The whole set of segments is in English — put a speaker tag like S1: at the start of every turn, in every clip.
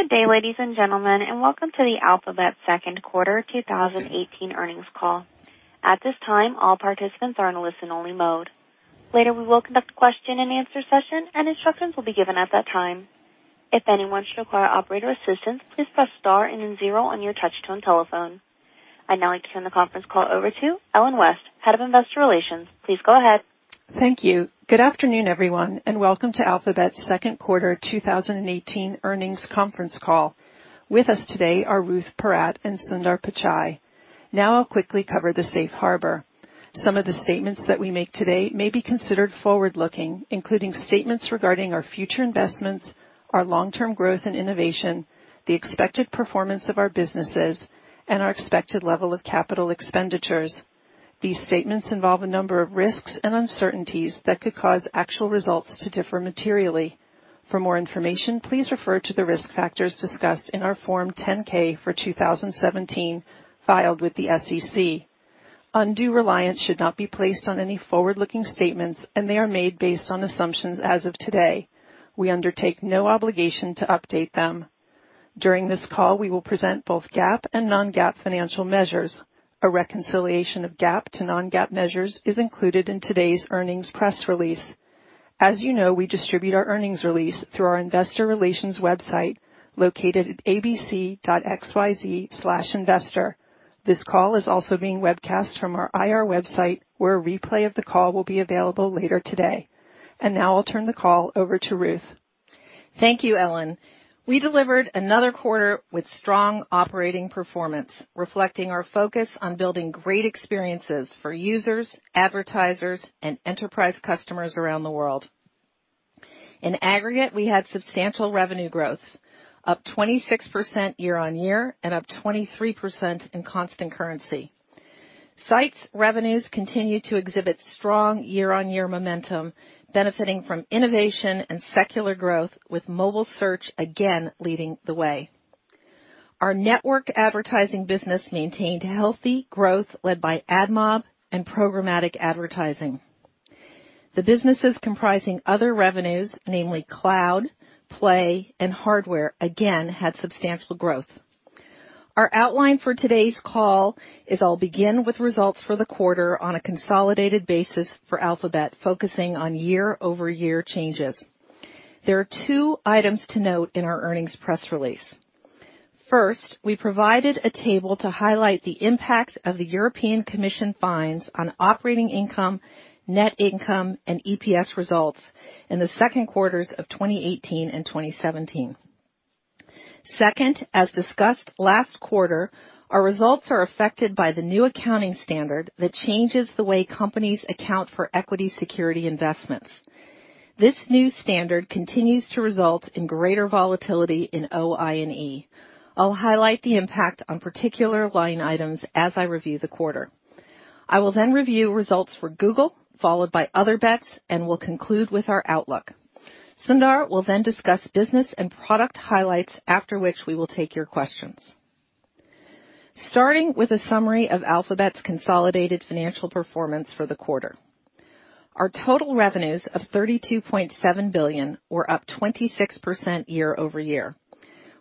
S1: Good day, ladies and gentlemen, and welcome to the Alphabet second quarter 2018 earnings call. At this time, all participants are in a listen-only mode. Later, we will conduct a question and answer session, and instructions will be given at that time. If anyone should require operator assistance, please press star and then zero on your touch-tone telephone. I'd now like to turn the conference call over to Ellen West, Head of Investor Relations. Please go ahead.
S2: Thank you. Good afternoon, everyone, and welcome to Alphabet's second quarter 2018 earnings conference call. With us today are Ruth Porat and Sundar Pichai. Now, I'll quickly cover the safe harbor. Some of the statements that we make today may be considered forward-looking, including statements regarding our future investments, our long-term growth and innovation, the expected performance of our businesses, and our expected level of capital expenditures. These statements involve a number of risks and uncertainties that could cause actual results to differ materially. For more information, please refer to the risk factors discussed in our Form 10-K for 2017 filed with the SEC. Undue reliance should not be placed on any forward-looking statements, and they are made based on assumptions as of today. We undertake no obligation to update them. During this call, we will present both GAAP and non-GAAP financial measures. A reconciliation of GAAP to non-GAAP measures is included in today's earnings press release. As you know, we distribute our earnings release through our investor relations website located at abc.xyz/investor. This call is also being webcast from our IR website, where a replay of the call will be available later today. And now, I'll turn the call over to Ruth.
S3: Thank you, Ellen. We delivered another quarter with strong operating performance, reflecting our focus on building great experiences for users, advertisers, and enterprise customers around the world. In aggregate, we had substantial revenue growth, up 26% year-on-year and up 23% in constant currency. Sites revenues continue to exhibit strong year-on-year momentum, benefiting from innovation and secular growth, with mobile search again leading the way. Our network advertising business maintained healthy growth led by AdMob and programmatic advertising. The businesses comprising other revenues, namely Cloud, Play, and hardware, again had substantial growth. Our outline for today's call is, I'll begin with results for the quarter on a consolidated basis for Alphabet, focusing on year-over-year changes. There are two items to note in our earnings press release. First, we provided a table to highlight the impact of the European Commission fines on operating income, net income, and EPS results in the second quarters of 2018 and 2017. Second, as discussed last quarter, our results are affected by the new accounting standard that changes the way companies account for equity security investments. This new standard continues to result in greater volatility in OI&E. I'll highlight the impact on particular line items as I review the quarter. I will then review results for Google, followed by Other Bets, and we'll conclude with our outlook. Sundar will then discuss business and product highlights, after which we will take your questions. Starting with a summary of Alphabet's consolidated financial performance for the quarter. Our total revenues of $32.7 billion were up 26% year-over-year.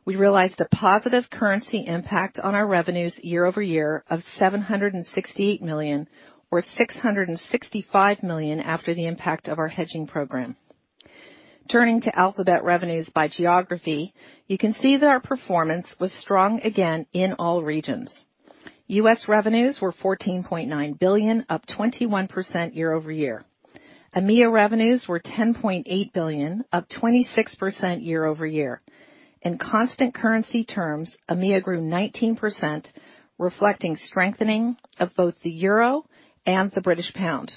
S3: We realized a positive currency impact on our revenues year-over-year of $768 million or $665 million after the impact of our hedging program. Turning to Alphabet revenues by geography, you can see that our performance was strong again in all regions. U.S. revenues were $14.9 billion, up 21% year-over-year. EMEA revenues were $10.8 billion, up 26% year-over-year. In constant currency terms, EMEA grew 19%, reflecting strengthening of both the Euro and the British pound.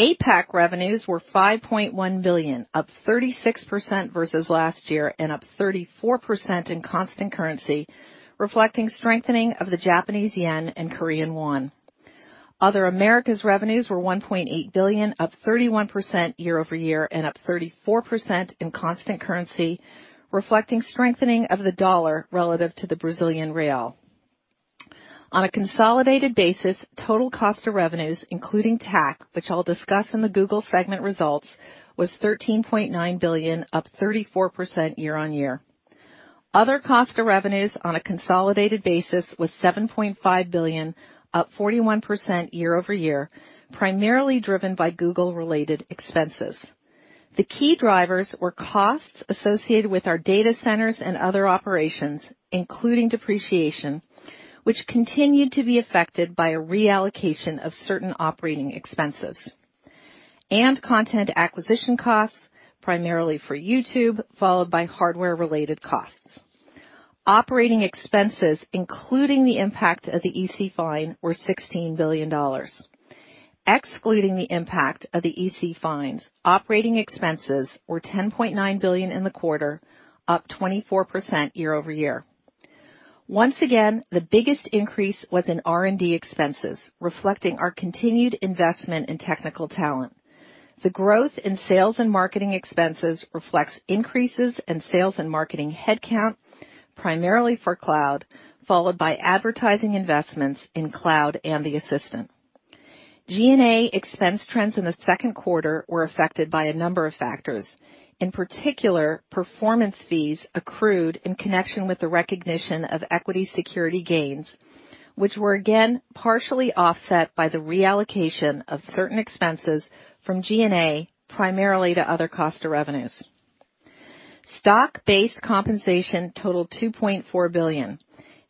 S3: APAC revenues were $5.1 billion, up 36% versus last year and up 34% in constant currency reflecting strengthening of the Japanese yen and Korean won. Other Americas revenues were $1.8 billion, up 31% year-over-year and up 34% in constant currency, reflecting strengthening of the dollar relative to the Brazilian real. On a consolidated basis, total cost of revenues, including TAC which I'll discuss in the Google segment results, was $13.9 billion, up 34% year-over-year. Other costs of revenues on a consolidated basis was $7.5 billion, up 41% year-over-year, primarily driven by Google-related expenses. The key drivers were costs associated with our data centers and other operations, including depreciation which continued to be affected by a reallocation of certain operating expenses. Content acquisition costs, primarily for YouTube followed by hardware-related costs. Operating expenses, including the impact of the EC fine, were $16 billion. Excluding the impact of the EC fines, operating expenses were $10.9 billion in the quarter, up 24% year-over-year. Once again, the biggest increase was in R&D expenses, reflecting our continued investment in technical talent. The growth in sales and marketing expenses reflects increases in sales and marketing headcount, primarily for Cloud, followed by advertising investments in Cloud and the Assistant. G&A expense trends in the second quarter were affected by a number of factors. In particular, performance fees accrued in connection with the recognition of equity security gains which were again partially offset by the reallocation of certain expenses from G&A, primarily to other cost of revenues. Stock-based compensation totaled $2.4 billion.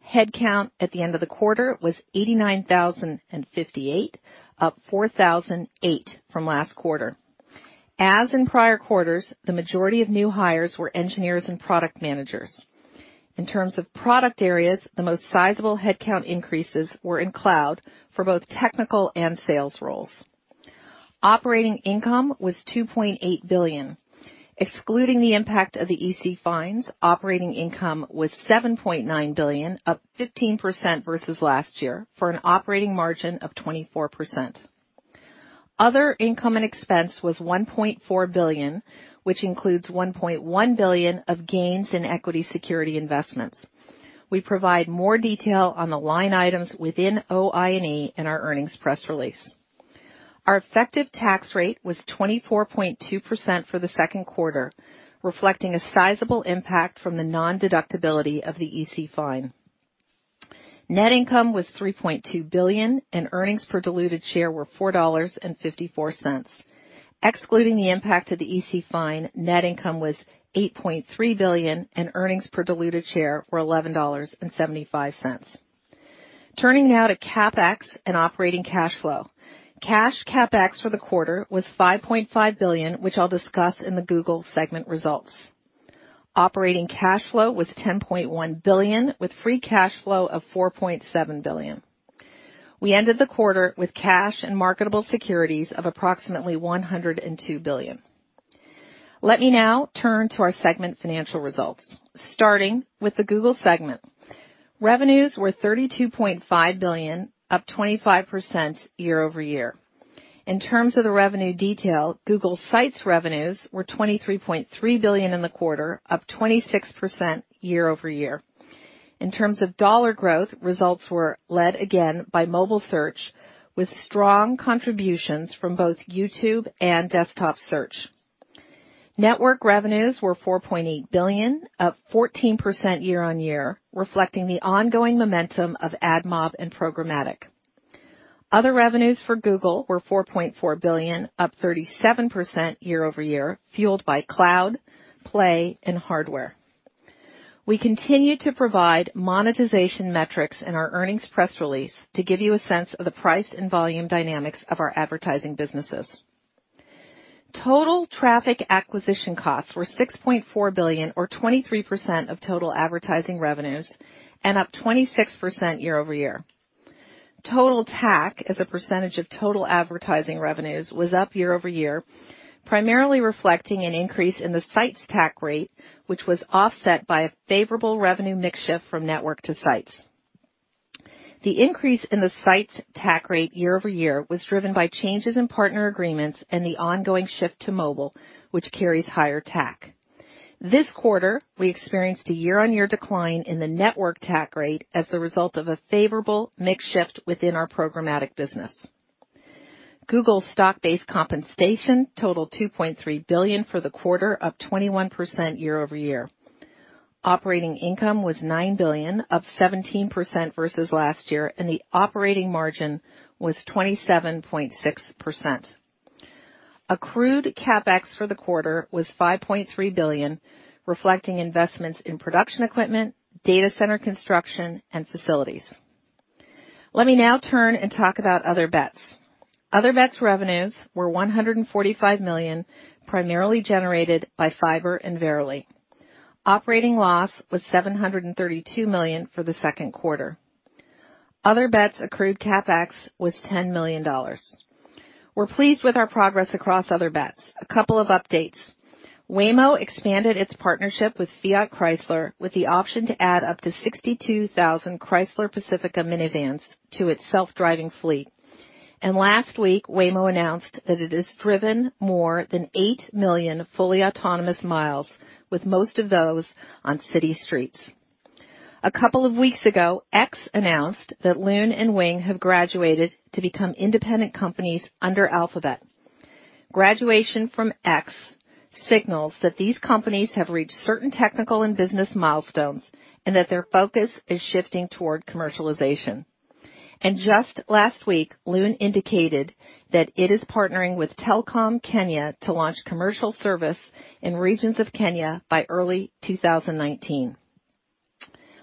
S3: Headcount at the end of the quarter was 89,058, up 4,008 from last quarter. As in prior quarters, the majority of new hires were engineers and product managers. In terms of product areas, the most sizable headcount increases were in cloud for both technical and sales roles. Operating income was $2.8 billion. Excluding the impact of the EC fines, operating income was $7.9 billion, up 15% versus last year, for an operating margin of 24%. Other income and expense was $1.4 billion, which includes $1.1 billion of gains in equity security investments. We provide more detail on the line items within OI&E in our earnings press release. Our effective tax rate was 24.2% for the second quarter, reflecting a sizable impact from the non-deductibility of the EC fine. Net income was $3.2 billion and earnings per diluted share were $4.54. Excluding the impact of the EC fine, net income was $8.3 billion and earnings per diluted share were $11.75. Turning now to CapEx and operating cash flow. Cash CapEx for the quarter was $5.5 billion, which I'll discuss in the Google segment results. Operating cash flow was $10.1 billion with free cash flow of $4.7 billion. We ended the quarter with cash and marketable securities of approximately $102 billion. Let me now turn to our segment financial results, starting with the Google segment. Revenues were $32.5 billion, up 25% year-over-year. In terms of the revenue detail, Google Sites revenues were $23.3 billion in the quarter, up 26% year-over-year. In terms of dollar growth results were led again by mobile search with strong contributions from both YouTube and desktop search. Network revenues were $4.8 billion, up 14% year-on-year reflecting the ongoing momentum of AdMob and programmatic. Other revenues for Google were $4.4 billion, up 37% year-over-year fueled by cloud, play, and hardware. We continue to provide monetization metrics in our earnings press release to give you a sense of the price and volume dynamics of our advertising businesses. Total traffic acquisition costs were $6.4 billion, or 23% of total advertising revenues and up 26% year-over-year. Total TAC as a percentage of total advertising revenues was up year-over-year, primarily reflecting an increase in the Sites TAC rate, which was offset by a favorable revenue mixture from network to sites. The increase in the Sites TAC rate year-over-year was driven by changes in partner agreements and the ongoing shift to mobile, which carries higher TAC. This quarter, we experienced a year-on-year decline in the network TAC rate as the result of a favorable mix shift within our programmatic business. Google's stock-based compensation totaled $2.3 billion for the quarter, up 21% year-over-year. Operating income was $9 billion, up 17% versus last year, and the operating margin was 27.6%. Accrued CapEx for the quarter was $5.3 billion reflecting investments in production equipment, data center construction, and facilities. Let me now turn and talk about Other Bets. Other Bets revenues were $145 million, primarily generated by Fiber and Verily. Operating loss was $732 million for the second quarter. Other Bets accrued CapEx was $10 million. We're pleased with our progress across Other Bets. A couple of updates, Waymo expanded its partnership with Fiat Chrysler with the option to add up to 62,000 Chrysler Pacifica minivans to its self-driving fleet. Last week, Waymo announced that it has driven more than 8 million fully autonomous miles with most of those on city streets. A couple of weeks ago, X announced that Loon and Wing have graduated to become independent companies under Alphabet. Graduation from X signals that these companies have reached certain technical and business milestones and that their focus is shifting toward commercialization. Just last week, Loon indicated that it is partnering with Telkom Kenya to launch commercial service in regions of Kenya by early 2019.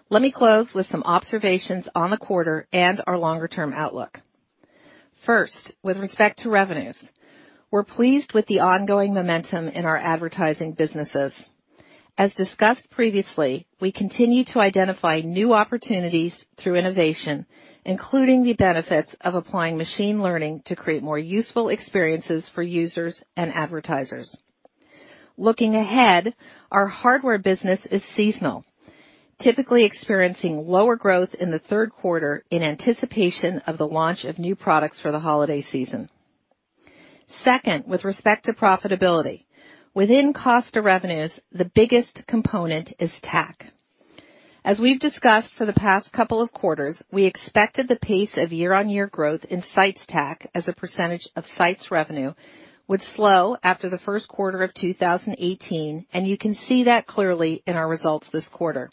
S3: Let me close with some observations on the quarter and our longer-term outlook. First, with respect to revenues, we're pleased with the ongoing momentum in our advertising businesses. As discussed previously, we continue to identify new opportunities through innovation, including the benefits of applying machine learning to create more useful experiences for users and advertisers. Looking ahead, our hardware business is seasonal typically experiencing lower growth in the third quarter in anticipation of the launch of new products for the holiday season. Second, with respect to profitability, within cost of revenues, the biggest component is TAC. As we've discussed for the past couple of quarters, we expected the pace of year-on-year growth in Sites TAC as a percentage of Sites revenue would slow after the first quarter of 2018 and you can see that clearly in our results this quarter.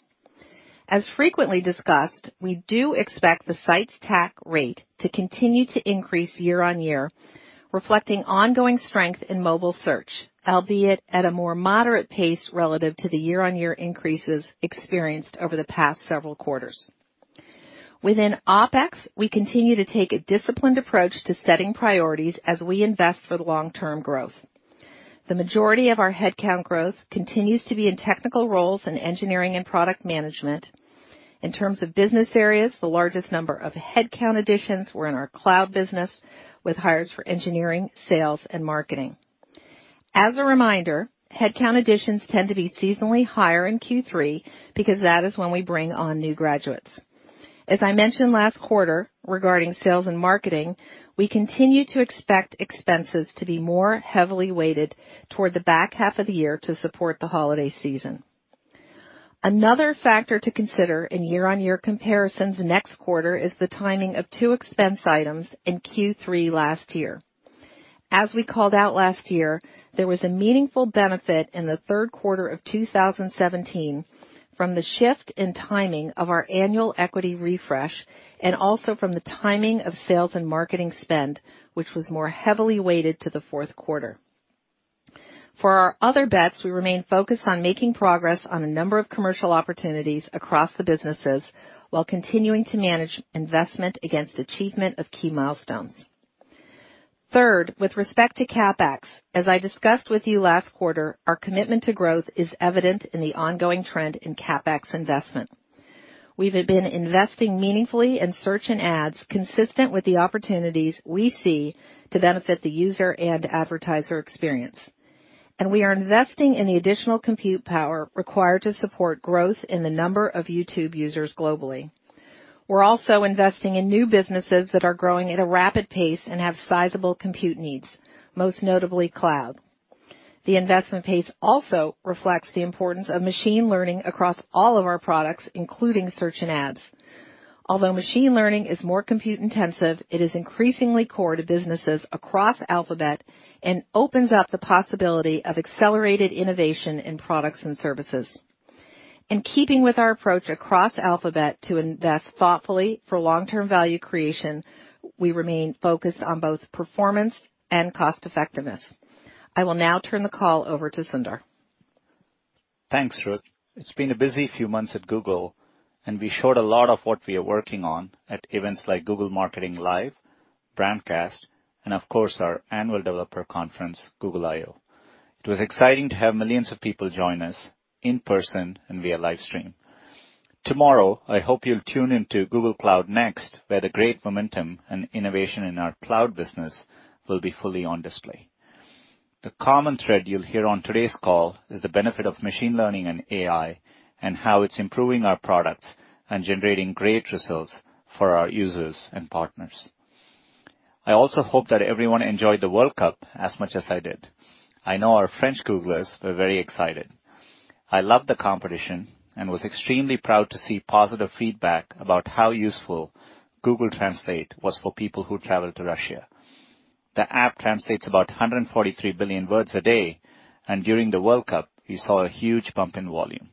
S3: As frequently discussed, we do expect the Sites TAC rate to continue to increase year-on-year, reflecting ongoing strength in mobile search, albeit at a more moderate pace relative to the year-on-year increases experienced over the past several quarters. Within OpEx, we continue to take a disciplined approach to setting priorities as we invest for the long-term growth. The majority of our headcount growth continues to be in technical roles and engineering and product management. In terms of business areas, the largest number of headcount additions were in our cloud business with hires for engineering, sales, and marketing. As a reminder, headcount additions tend to be seasonally higher in Q3 because that is when we bring on new graduates. As I mentioned last quarter, regarding sales and marketing, we continue to expect expenses to be more heavily weighted toward the back half of the year to support the holiday season. Another factor to consider in year-on-year comparisons next quarter is the timing of two expense items in Q3 last year. As we called out last year, there was a meaningful benefit in the third quarter of 2017 from the shift in timing of our annual equity refresh and also from the timing of sales and marketing spend, which was more heavily weighted to the fourth quarter. For our Other Bets, we remain focused on making progress on a number of commercial opportunities across the businesses while continuing to manage investment against achievement of key milestones. Third, with respect to CapEx, as I discussed with you last quarter, our commitment to growth is evident in the ongoing trend in CapEx investment. We've been investing meaningfully in search and ads, consistent with the opportunities we see to benefit the user and advertiser experience. And we are investing in the additional compute power required to support growth in the number of YouTube users globally. We're also investing in new businesses that are growing at a rapid pace and have sizable compute needs, most notably cloud. The investment pace also reflects the importance of machine learning across all of our products including search and ads. Although machine learning is more compute-intensive, it is increasingly core to businesses across Alphabet and opens up the possibility of accelerated innovation in products and services. In keeping with our approach across Alphabet to invest thoughtfully for long-term value creation, we remain focused on both performance and cost-effectiveness. I will now turn the call over to Sundar.
S4: Thanks, Ruth. It's been a busy few months at Google and we showed a lot of what we are working on at events like Google Marketing Live, Brandcast and of course, our annual developer conference, Google I/O. It was exciting to have millions of people join us in person and via livestream. Tomorrow, I hope you'll tune into Google Cloud Next, where the great momentum and innovation in our cloud business will be fully on display. The common thread you'll hear on today's call is the benefit of machine learning and AI and how it's improving our products and generating great results for our users and partners. I also hope that everyone enjoyed the World Cup as much as I did. I know our French Googlers were very excited. I loved the competition and was extremely proud to see positive feedback about how useful Google Translate was for people who traveled to Russia. The app translates about 143 billion words a day and during the World Cup, we saw a huge bump in volume.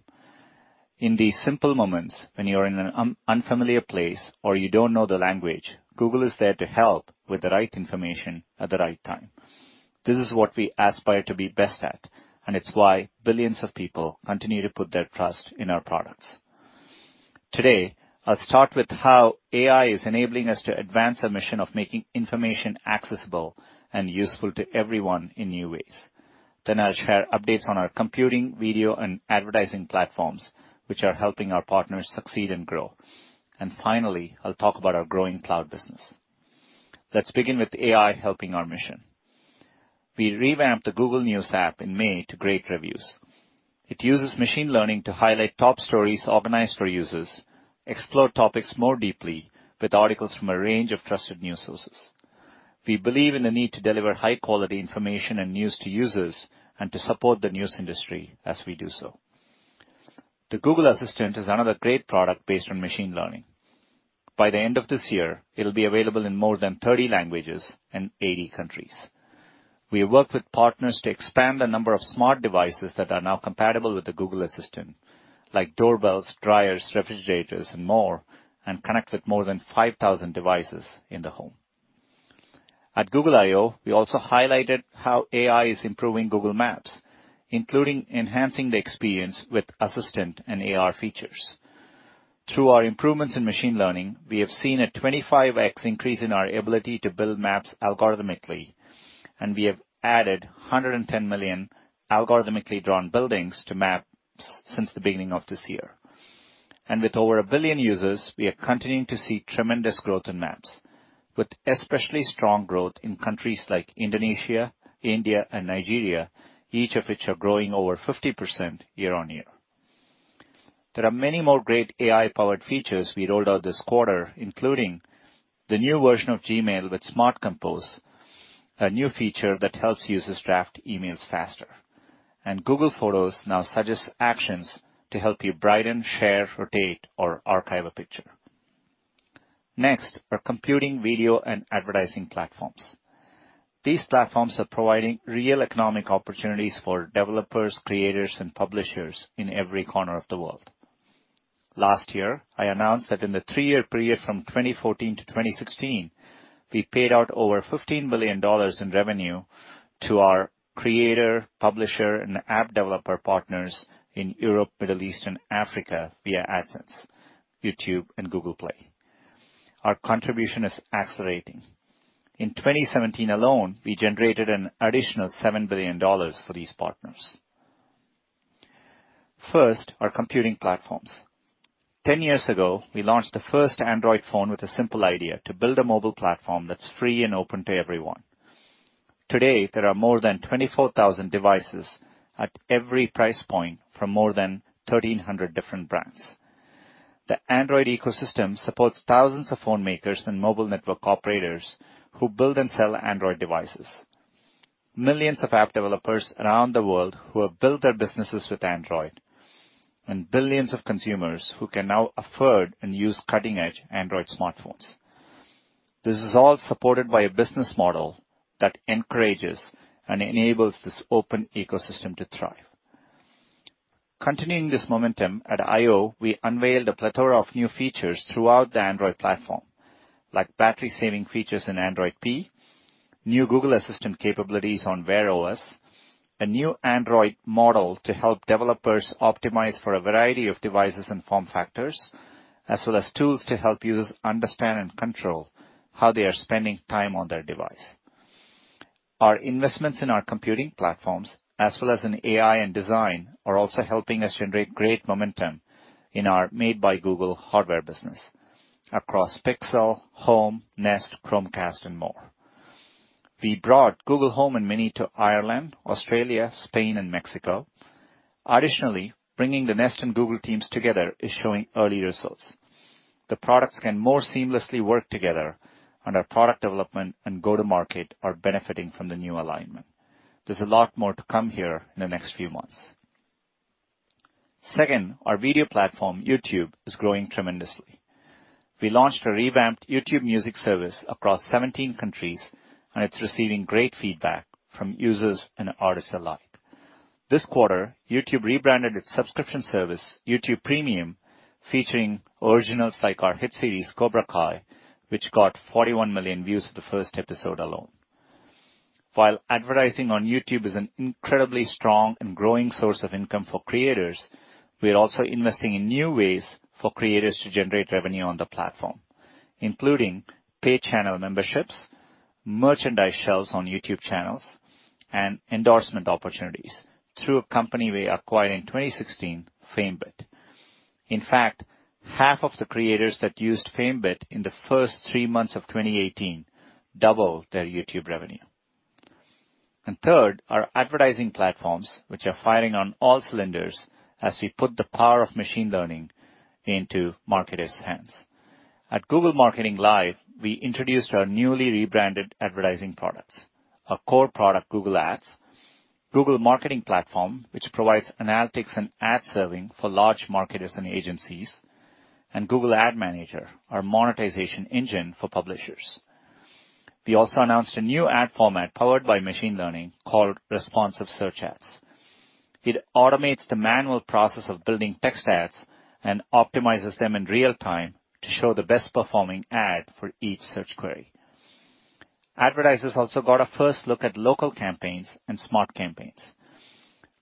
S4: In these simple moments, when you're in an unfamiliar place or you don't know the language, Google is there to help with the right information at the right time. This is what we aspire to be best at, and it's why billions of people continue to put their trust in our products. Today, I'll start with how AI is enabling us to advance our mission of making information accessible and useful to everyone in new ways. Then I'll share updates on our computing, video, and advertising platforms, which are helping our partners succeed and grow, and finally, I'll talk about our growing cloud business. Let's begin with AI helping our mission. We revamped the Google News app in May to great reviews. It uses machine learning to highlight top stories organized for users, explore topics more deeply with articles from a range of trusted news sources. We believe in the need to deliver high-quality information and news to users and to support the news industry as we do so. The Google Assistant is another great product based on machine learning. By the end of this year, it'll be available in more than 30 languages and 80 countries. We have worked with partners to expand the number of smart devices that are now compatible with the Google Assistant like doorbells, dryers, refrigerators and more and connect with more than 5,000 devices in the home. At Google I/O, we also highlighted how AI is improving Google Maps, including enhancing the experience with Assistant and AR features. Through our improvements in machine learning, we have seen a 25x increase in our ability to build maps algorithmically and we have added 110 million algorithmically drawn buildings to Maps since the beginning of this year. With over a billion users, we are continuing to see tremendous growth in maps with especially strong growth in countries like Indonesia, India, and Nigeria, each of which are growing over 50% year-on-year. There are many more great AI-powered features we rolled out this quarter, including the new version of Gmail with Smart Compose, a new feature that helps users draft emails faster, and Google Photos now suggests actions to help you brighten, share, rotate, or archive a picture. Next, our computing, video and advertising platforms. These platforms are providing real economic opportunities for developers, creators, and publishers in every corner of the world. Last year, I announced that in the three-year period from 2014 to 2016 we paid out over $15 billion in revenue to our creator, publisher, and app developer partners in Europe, Middle East, and Africa via AdSense, YouTube, and Google Play. Our contribution is accelerating. In 2017 alone, we generated an additional $7 billion for these partners. First, our computing platforms. Ten years ago, we launched the first Android phone with a simple idea to build a mobile platform that's free and open to everyone. Today, there are more than 24,000 devices at every price point from more than 1,300 different brands. The Android ecosystem supports thousands of phone makers and mobile network operators who build and sell Android devices. Millions of app developers around the world who have built their businesses with Android and billions of consumers who can now afford and use cutting-edge Android smartphones. This is all supported by a business model that encourages and enables this open ecosystem to thrive. Continuing this momentum, at I/O, we unveiled a plethora of new features throughout the Android platform like battery-saving features in Android P, new Google Assistant capabilities on Wear OS, a new Android model to help developers optimize for a variety of devices and form factors, as well as tools to help users understand and control how they are spending time on their device. Our investments in our computing platforms, as well as in AI and design, are also helping us generate great momentum in our Made by Google hardware business across Pixel, Home, Nest, Chromecast, and more. We brought Google Home and Mini to Ireland, Australia, Spain, and Mexico. Additionally, bringing the Nest and Google teams together is showing early results. The products can more seamlessly work together, and our product development and go-to-market are benefiting from the new alignment. There's a lot more to come here in the next few months. Second, our video platform YouTube, is growing tremendously. We launched a revamped YouTube Music service across 17 countries and it's receiving great feedback from users and artists alike. This quarter, YouTube rebranded its subscription service, YouTube Premium, featuring originals like our hit series, Cobra Kai, which got 41 million views for the first episode alone. While advertising on YouTube is an incredibly strong and growing source of income for creators, we are also investing in new ways for creators to generate revenue on the platform, including paid channel memberships, merchandise shelves on YouTube channels, and endorsement opportunities through a company we acquired in 2016, FameBit. In fact, half of the creators that used FameBit in the first three months of 2018 doubled their YouTube revenue, and third, our advertising platforms which are firing on all cylinders as we put the power of machine learning into marketers' hands. At Google Marketing Live, we introduced our newly rebranded advertising products, a core product, Google Ads, Google Marketing Platform, which provides analytics and ad serving for large marketers and agencies, and Google Ad Manager, our monetization engine for publishers. We also announced a new ad format powered by machine learning called Responsive Search Ads. It automates the manual process of building text ads and optimizes them in real time to show the best-performing ad for each search query. Advertisers also got a first look at local campaigns and smart campaigns.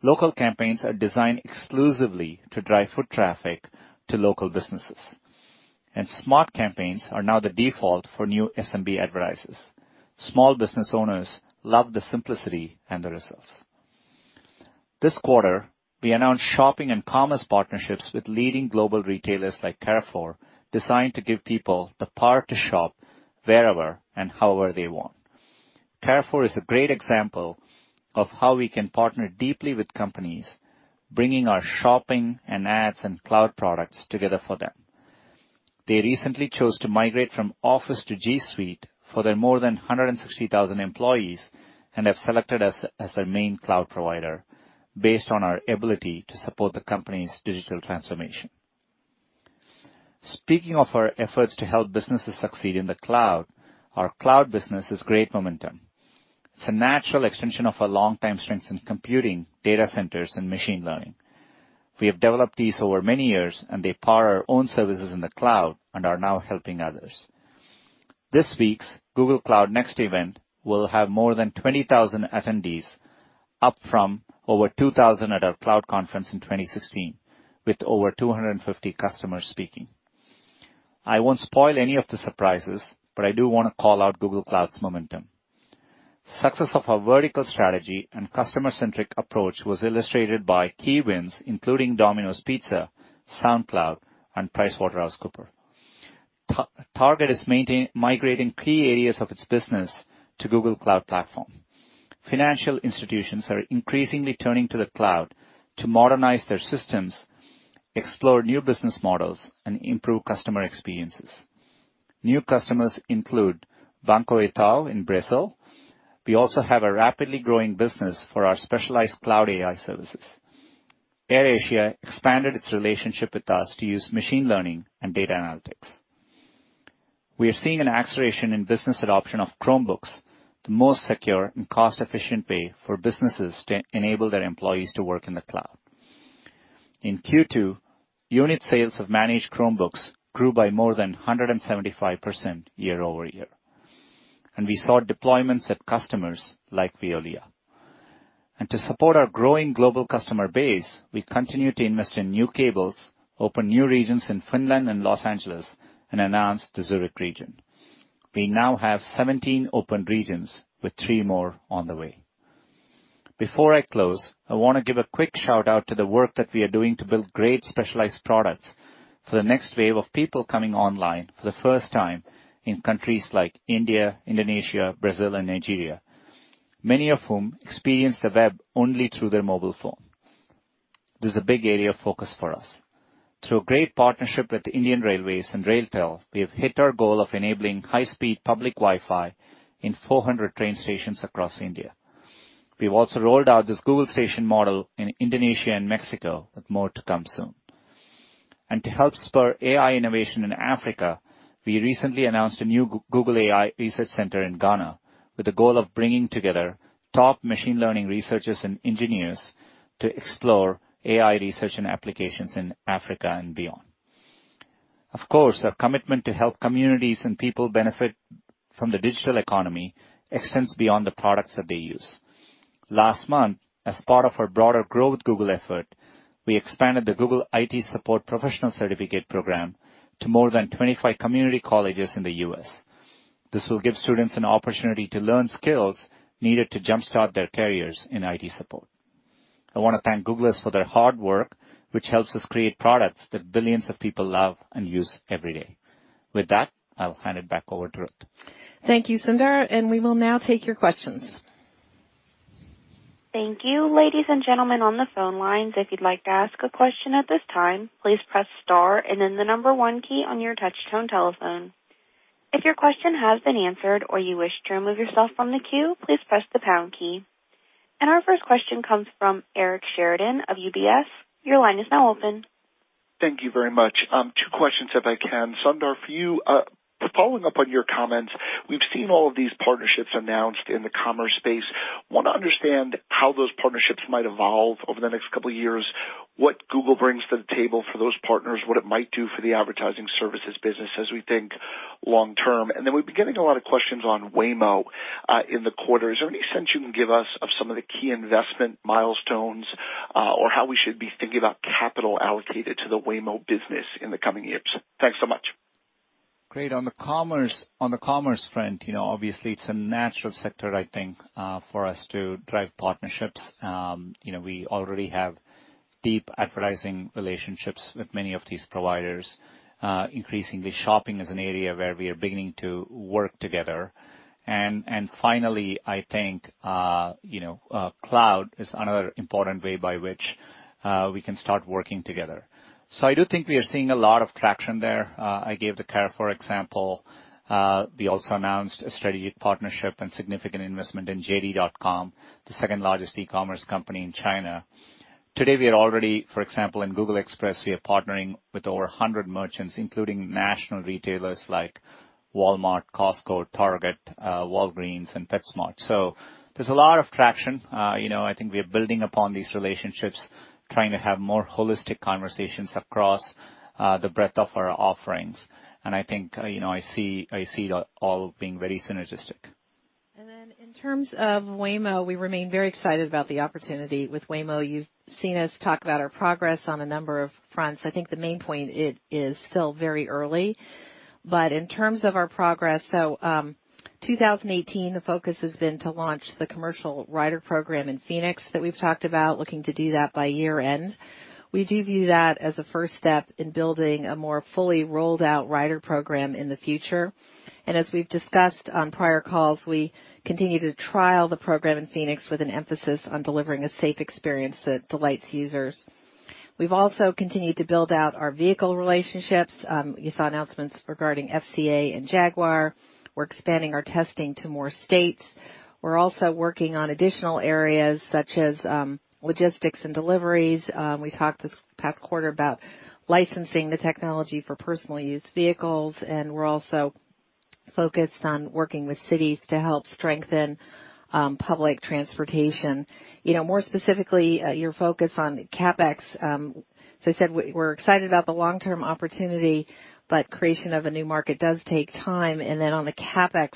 S4: Local campaigns are designed exclusively to drive foot traffic to local businesses, and smart campaigns are now the default for new SMB advertisers. Small business owners love the simplicity and the results. This quarter, we announced shopping and commerce partnerships with leading global retailers like Carrefour, designed to give people the power to shop wherever and however they want. Carrefour is a great example of how we can partner deeply with companies, bringing our shopping and ads and cloud products together for them. They recently chose to migrate from Office to G Suite for their more than 160,000 employees and have selected us as their main cloud provider based on our ability to support the company's digital transformation. Speaking of our efforts to help businesses succeed in the cloud, our cloud business has great momentum. It's a natural extension of our long-time strengths in computing, data centers, and machine learning. We have developed these over many years and they power our own services in the cloud and are now helping others. This week's Google Cloud Next event will have more than 20,000 attendees, up from over 2,000 at our cloud conference in 2016 with over 250 customers speaking. I won't spoil any of the surprises, but I do want to call out Google Cloud's momentum. Success of our vertical strategy and customer-centric approach was illustrated by key wins including Domino's Pizza, SoundCloud, and PricewaterhouseCoopers. Target is migrating key areas of its business to Google Cloud Platform. Financial institutions are increasingly turning to the cloud to modernize their systems, explore new business models, and improve customer experiences. New customers include Banco Itaú in Brazil. We also have a rapidly growing business for our specialized cloud AI services. AirAsia expanded its relationship with us to use machine learning and data analytics. We are seeing an acceleration in business adoption of Chromebooks, the most secure and cost-efficient way for businesses to enable their employees to work in the cloud. In Q2, unit sales of managed Chromebooks grew by more than 175% year-over-year, and we saw deployments at customers like Veolia. To support our growing global customer base, we continue to invest in new capabilities, open new regions in Finland and Los Angeles, and announce the Zurich region. We now have 17 open regions, with three more on the way. Before I close, I want to give a quick shout-out to the work that we are doing to build great specialized products for the next wave of people coming online for the first time in countries like India, Indonesia, Brazil, and Nigeria, many of whom experience the web only through their mobile phone. This is a big area of focus for us. Through a great partnership with Indian Railways and RailTel, we have hit our goal of enabling high-speed public Wi-Fi in 400 train stations across India. We've also rolled out this Google Station model in Indonesia and Mexico, with more to come soon. To help spur AI innovation in Africa, we recently announced a new Google AI Research Center in Ghana with the goal of bringing together top machine learning researchers and engineers to explore AI research and applications in Africa and beyond. Of course, our commitment to help communities and people benefit from the digital economy extends beyond the products that they use. Last month, as part of our broader Grow with Google effort, we expanded the Google IT Support Professional Certificate program to more than 25 community colleges in the U.S.. This will give students an opportunity to learn skills needed to jump-start their careers in IT support. I want to thank Googlers for their hard work, which helps us create products that billions of people love and use every day. With that, I'll hand it back over to Ruth.
S3: Thank you, Sundar, and we will now take your questions.
S1: Thank you. Ladies and gentlemen on the phone lines, if you'd like to ask a question at this time, please press star and then the number one key on your touch-tone telephone. If your question has been answered or you wish to remove yourself from the queue, please press the pound key. And our first question comes from Eric Sheridan of UBS. Your line is now open.
S5: Thank you very much. Two questions, if I can. Sundar for you, following up on your comments, we've seen all of these partnerships announced in the commerce space. I want to understand how those partnerships might evolve over the next couple of years, what Google brings to the table for those partners, what it might do for the advertising services business as we think long-term, and then we've been getting a lot of questions on Waymo in the quarter. Is there any sense you can give us of some of the key investment milestones or how we should be thinking about capital allocated to the Waymo business in the coming years? Thanks so much.
S4: Great. On the commerce front, obviously, it's a natural sector, I think, for us to drive partnerships. We already have deep advertising relationships with many of these providers. Increasingly, shopping is an area where we are beginning to work together. Finally, I think cloud is another important way by which we can start working together. I do think we are seeing a lot of traction there. I gave the Carrefour example. We also announced a strategic partnership and significant investment in JD.com, the second largest e-commerce company in China. Today, we are already, for example, in Google Express, we are partnering with over 100 merchants, including national retailers like Walmart, Costco, Target, Walgreens, and PetSmart. There's a lot of traction. I think we are building upon these relationships, trying to have more holistic conversations across the breadth of our offerings. I think I see it all being very synergistic.
S3: Then in terms of Waymo, we remain very excited about the opportunity. With Waymo, you've seen us talk about our progress on a number of fronts. I think the main point is still very early. But in terms of our progress, so 2018, the focus has been to launch the commercial rider program in Phoenix that we've talked about, looking to do that by year-end. We do view that as a first step in building a more fully rolled-out rider program in the future. And as we've discussed on prior calls, we continue to trial the program in Phoenix with an emphasis on delivering a safe experience that delights users. We've also continued to build out our vehicle relationships. You saw announcements regarding FCA and Jaguar. We're expanding our testing to more states. We're also working on additional areas such as logistics and deliveries. We talked this past quarter about licensing the technology for personal-use vehicles, and we're also focused on working with cities to help strengthen public transportation. More specifically, your focus on CapEx. As I said, we're excited about the long-term opportunity, but creation of a new market does take time. And then on the CapEx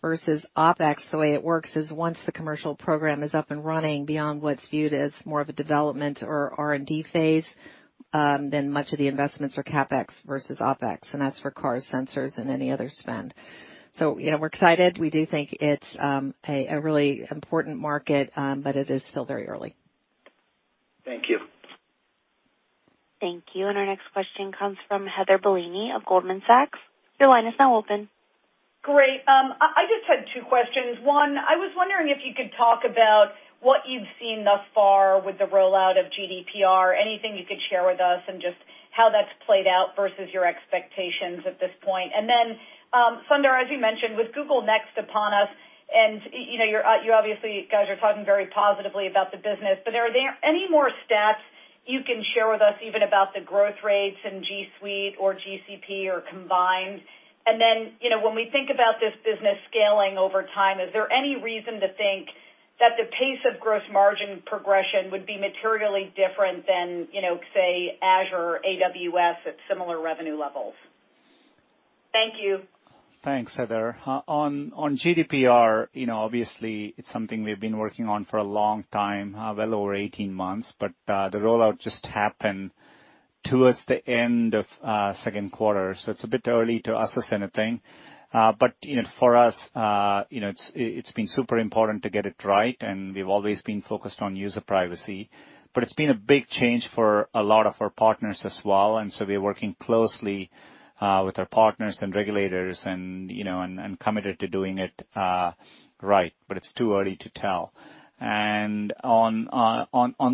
S3: versus OpEx, the way it works is once the commercial program is up and running beyond what's viewed as more of a development or R&D phase, then much of the investments are CapEx versus OpEx and that's for cars, sensors, and any other spend. So we're excited. We do think it's a really important market, but it is still very early.
S5: Thank you.
S1: Thank you. And our next question comes from Heather Bellini of Goldman Sachs. Your line is now open.
S6: Great. I just had two questions. One, I was wondering if you could talk about what you've seen thus far with the rollout of GDPR, anything you could share with us, and just how that's played out versus your expectations at this point. And then, Sundar, as you mentioned, with Google Next upon us and you obviously, guys, are talking very positively about the business. But are there any more stats you can share with us even about the growth rates in G Suite or GCP or combined? And then when we think about this business scaling over time, is there any reason to think that the pace of gross margin progression would be materially different than, say, Azure, AWS at similar revenue levels? Thank you.
S4: Thanks, Heather. On GDPR, obviously, it's something we've been working on for a long time, well over 18 months, but the rollout just happened towards the end of second quarter. So it's a bit early to assess anything. But for us, it's been super important to get it right, and we've always been focused on user privacy. But it's been a big change for a lot of our partners as well and so we're working closely with our partners and regulators and committed to doing it right, but it's too early to tell. And on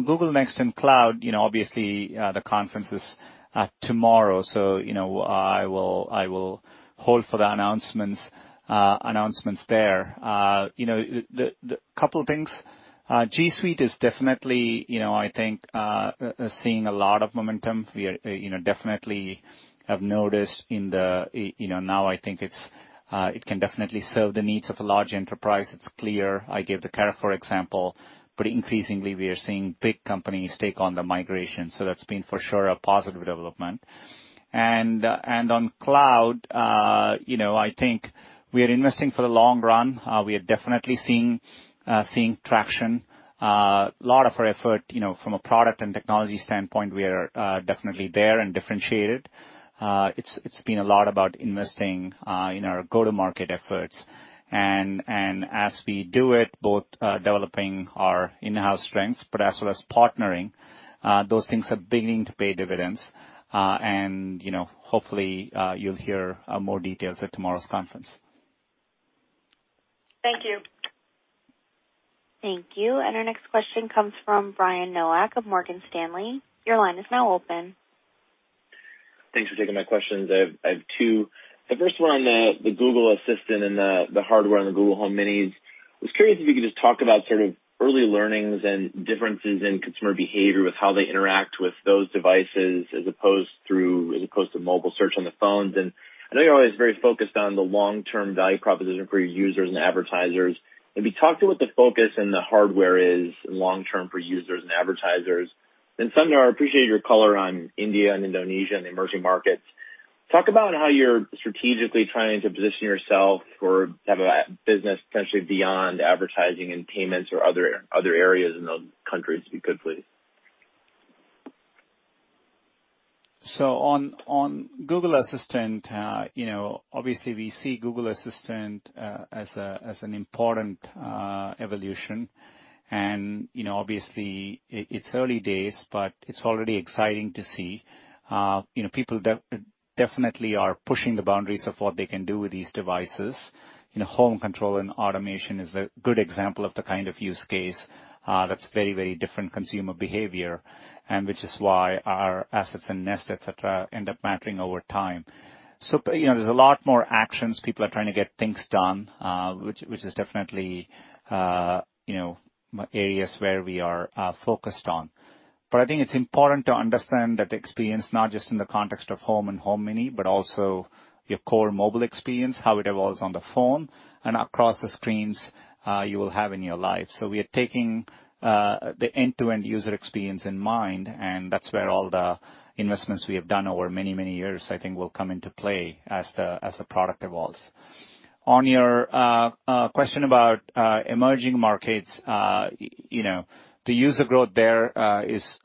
S4: Google Cloud Next, obviously, the conference is tomorrow, so I will hold for the announcements there. A couple of things. G Suite is definitely, I think, seeing a lot of momentum. We definitely have noticed it now, I think it can definitely serve the needs of a large enterprise. It's clear. I gave the Carrefour example, but increasingly, we are seeing big companies take on the migration, so that's been for sure a positive development. And on cloud, I think we are investing for the long run. We are definitely seeing traction. A lot of our effort from a product and technology standpoint, we are definitely there and differentiated. It's been a lot about investing in our go-to-market efforts. And as we do it, both developing our in-house strengths, but as well as partnering, those things are beginning to pay dividends. And hopefully, you'll hear more details at tomorrow's conference.
S6: Thank you.
S1: Thank you. And our next question comes from Brian Nowak of Morgan Stanley. Your line is now open.
S7: Thanks for taking my questions. I have two. The first one on the Google Assistant and the hardware on the Google Home Minis. I was curious if you could just talk about sort of early learnings and differences in consumer behavior with how they interact with those devices as opposed to mobile search on the phones. And I know you're always very focused on the long-term value proposition for your users and advertisers. If you talk to what the focus and the hardware is long-term for users and advertisers, then Sundar, I appreciate your color on India and Indonesia and the emerging markets. Talk about how you're strategically trying to position yourself or have a business potentially beyond advertising and payments or other areas in those countries, if you could, please.
S4: So on Google Assistant, obviously, we see Google Assistant as an important evolution. And obviously, it's early days, but it's already exciting to see. People definitely are pushing the boundaries of what they can do with these devices. Home control and automation is a good example of the kind of use case that's very, very different consumer behavior, and which is why our assets and Nest, etc., end up mattering over time. So there's a lot more actions. People are trying to get things done, which is definitely areas where we are focused on. But I think it's important to understand that the experience, not just in the context of Home and Home Mini, but also your core mobile experience, how it evolves on the phone and across the screens you will have in your life. So we are taking the end-to-end user experience in mind, and that's where all the investments we have done over many, many years, I think, will come into play as the product evolves. On your question about emerging markets, the user growth there is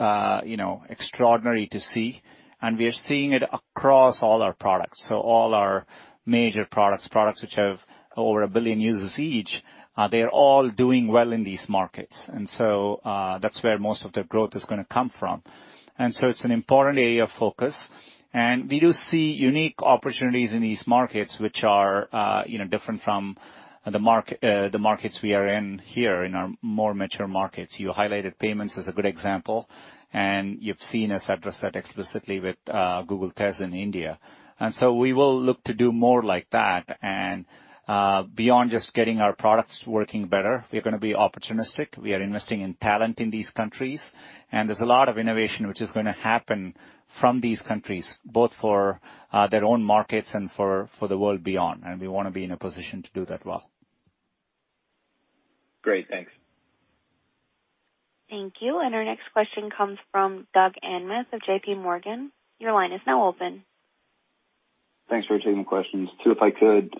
S4: extraordinary to see, and we are seeing it across all our products. So all our major products, products which have over a billion users each, they are all doing well in these markets. And so that's where most of the growth is going to come from. And so it's an important area of focus. And we do see unique opportunities in these markets, which are different from the markets we are in here in our more mature markets. You highlighted payments as a good example, and you've seen us address that explicitly with Google Tez in India. And so we will look to do more like that. And beyond just getting our products working better, we are going to be opportunistic. We are investing in talent in these countries, and there's a lot of innovation which is going to happen from these countries, both for their own markets and for the world beyond. And we want to be in a position to do that well.
S7: Great. Thanks.
S1: Thank you. And our next question comes from Doug Anmuth of JP Morgan. Your line is now open.
S8: Thanks for taking the questions. Two, if I could.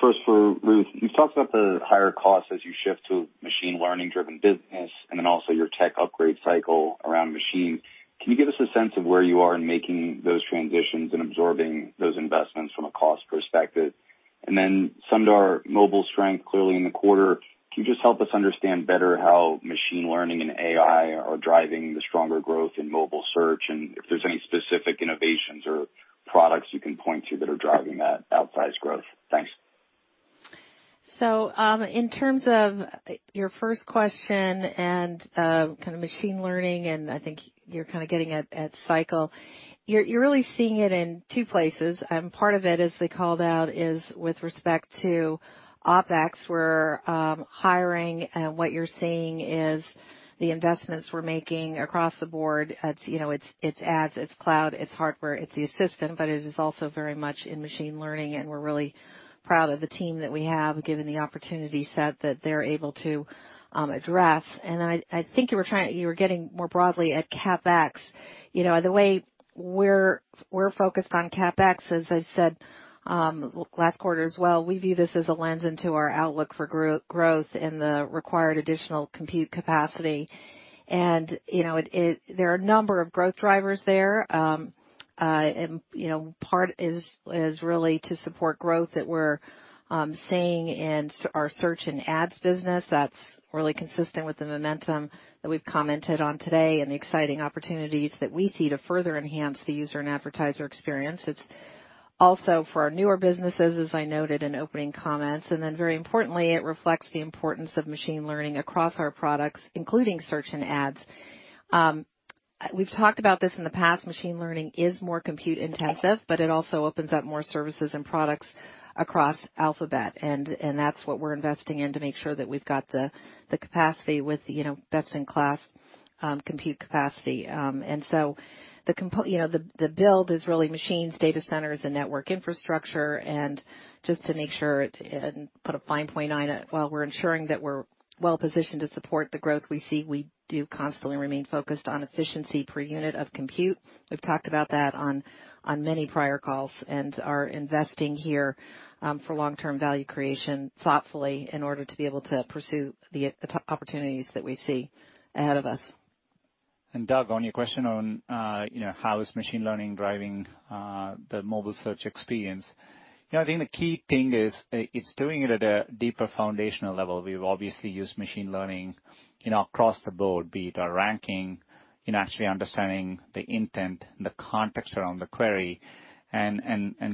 S8: First, for Ruth, you've talked about the higher costs as you shift to a machine learning-driven business and then also your tech upgrade cycle around machines. Can you give us a sense of where you are in making those transitions and absorbing those investments from a cost perspective? And then, Sundar, mobile strength, clearly in the quarter. Can you just help us understand better how machine learning and AI are driving the stronger growth in mobile search? And if there's any specific innovations or products you can point to that are driving that outsized growth? Thanks.
S3: So in terms of your first question and kind of machine learning, and I think you're kind of getting at cycle, you're really seeing it in two places. Part of it, as they called out, is with respect to OpEx, where hiring and what you're seeing is the investments we're making across the board. It's ads, it's cloud, it's hardware, it's the assistant, but it is also very much in machine learning. And we're really proud of the team that we have, given the opportunity set that they're able to address. And I think you were getting more broadly at CapEx. The way we're focused on CapEx, as I said last quarter as well, we view this as a lens into our outlook for growth and the required additional compute capacity. And there are a number of growth drivers there. And part is really to support growth that we're seeing in our search and ads business. That's really consistent with the momentum that we've commented on today and the exciting opportunities that we see to further enhance the user and advertiser experience. It's also for our newer businesses, as I noted in opening comments. And then very importantly, it reflects the importance of machine learning across our products, including search and ads. We've talked about this in the past. Machine learning is more compute-intensive, but it also opens up more services and products across Alphabet. And that's what we're investing in to make sure that we've got the capacity with the best-in-class compute capacity. And so the build is really machines, data centers, and network infrastructure. And just to make sure and put a fine point on it, while we're ensuring that we're well-positioned to support the growth we see, we do constantly remain focused on efficiency per unit of compute. We've talked about that on many prior calls and are investing here for long-term value creation thoughtfully in order to be able to pursue the opportunities that we see ahead of us.
S4: And Doug, on your question on how is machine learning driving the mobile search experience, I think the key thing is it's doing it at a deeper foundational level. We've obviously used machine learning across the board, be it our ranking, actually understanding the intent, the context around the query, and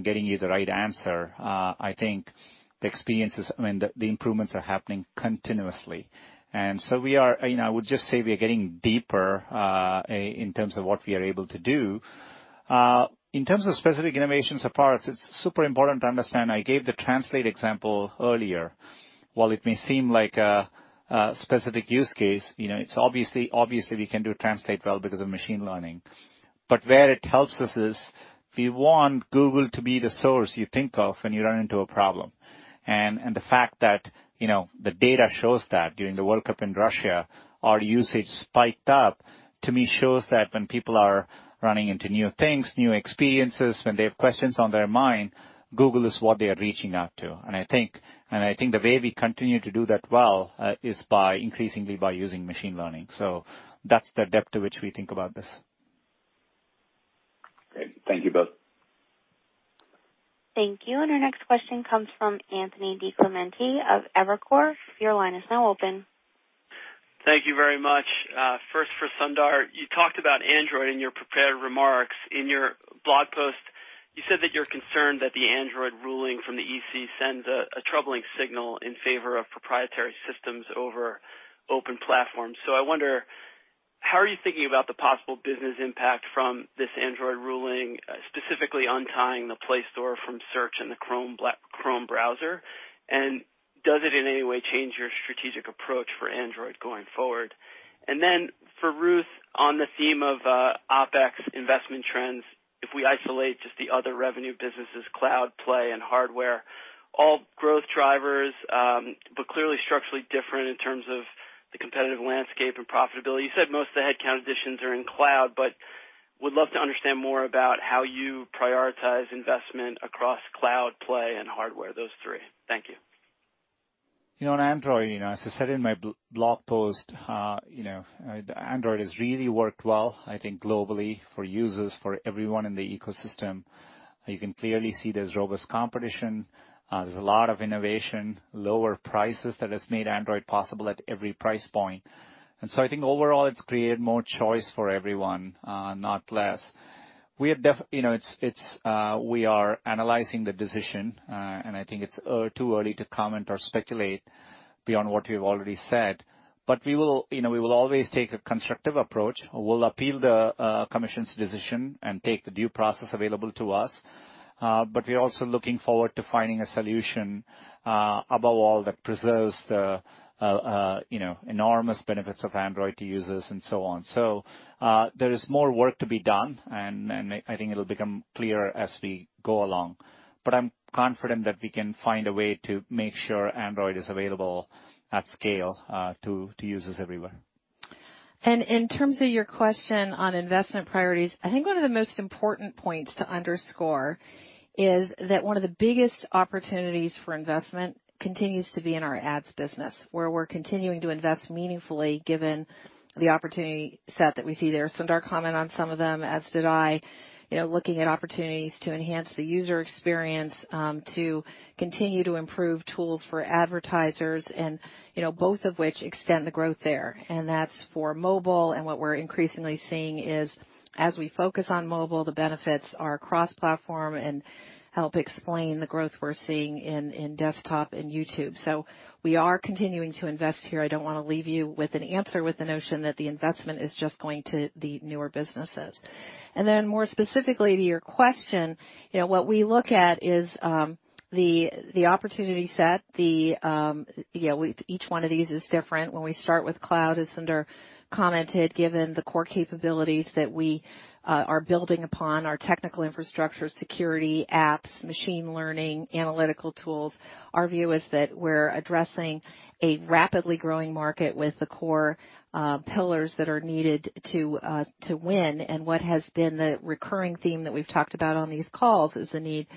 S4: getting you the right answer. I think the experiences, I mean, the improvements are happening continuously. And so we are, I would just say we are getting deeper in terms of what we are able to do. In terms of specific innovations or parts, it's super important to understand. I gave the translate example earlier. While it may seem like a specific use case, it's obvious we can do translate well because of machine learning. But where it helps us is we want Google to be the source you think of when you run into a problem. And the fact that the data shows that during the World Cup in Russia, our usage spiked up, to me, shows that when people are running into new things, new experiences, when they have questions on their mind, Google is what they are reaching out to. And I think the way we continue to do that well is increasingly by using machine learning. So that's the depth to which we think about this.
S8: Great. Thank you both.
S1: Thank you. And our next question comes from Anthony DiClemente of Evercore. Your line is now open.
S9: Thank you very much. First, for Sundar, you talked about Android in your prepared remarks. In your blog post, you said that you're concerned that the Android ruling from the EC sends a troubling signal in favor of proprietary systems over open platforms. So I wonder, how are you thinking about the possible business impact from this Android ruling, specifically untying the Play Store from search and the Chrome browser? And does it in any way change your strategic approach for Android going forward? And then for Ruth, on the theme of OpEx investment trends, if we isolate just the other revenue businesses, cloud, play, and hardware, all growth drivers, but clearly structurally different in terms of the competitive landscape and profitability. You said most of the headcount additions are in cloud, but would love to understand more about how you prioritize investment across cloud, play, and hardware, those three. Thank you.
S4: On Android, as I said in my blog post, Android has really worked well, I think, globally for users, for everyone in the ecosystem. You can clearly see there's robust competition. There's a lot of innovation, lower prices that have made Android possible at every price point. And so I think overall, it's created more choice for everyone, not less. We are analyzing the decision, and I think it's too early to comment or speculate beyond what we've already said. But we will always take a constructive approach. We'll appeal the commission's decision and take the due process available to us. But we're also looking forward to finding a solution above all that preserves the enormous benefits of Android to users and so on. So there is more work to be done, and I think it'll become clearer as we go along. But I'm confident that we can find a way to make sure Android is available at scale to users everywhere.
S3: And in terms of your question on investment priorities, I think one of the most important points to underscore is that one of the biggest opportunities for investment continues to be in our ads business, where we're continuing to invest meaningfully given the opportunity set that we see there. Sundar commented on some of them, as did I, looking at opportunities to enhance the user experience, to continue to improve tools for advertisers, and both of which extend the growth there. And that's for mobile. And what we're increasingly seeing is, as we focus on mobile, the benefits are cross-platform and help explain the growth we're seeing in desktop and YouTube. So we are continuing to invest here. I don't want to leave you with an answer with the notion that the investment is just going to the newer businesses, and then more specifically to your question, what we look at is the opportunity set. Each one of these is different. When we start with cloud, as Sundar commented, given the core capabilities that we are building upon, our technical infrastructure, security, apps, machine learning, analytical tools, our view is that we're addressing a rapidly growing market with the core pillars that are needed to win. And what has been the recurring theme that we've talked about on these calls is the need to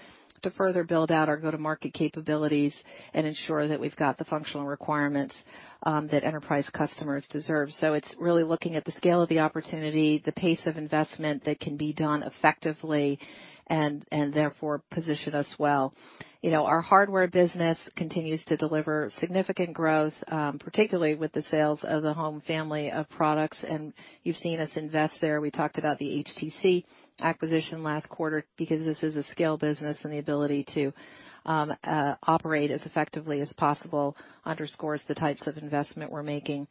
S3: further build out our go-to-market capabilities and ensure that we've got the functional requirements that enterprise customers deserve, so it's really looking at the scale of the opportunity, the pace of investment that can be done effectively, and therefore position us well. Our hardware business continues to deliver significant growth, particularly with the sales of the home family of products, and you've seen us invest there. We talked about the HTC acquisition last quarter because this is a scale business, and the ability to operate as effectively as possible underscores the types of investment we're making.